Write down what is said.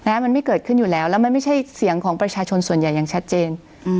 มันไม่เกิดขึ้นอยู่แล้วแล้วมันไม่ใช่เสียงของประชาชนส่วนใหญ่อย่างชัดเจนอืม